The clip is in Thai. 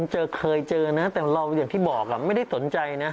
เคยเจอนะแต่เราอย่างที่บอกไม่ได้สนใจนะ